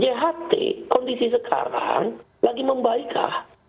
jht kondisi sekarang lagi membaiklah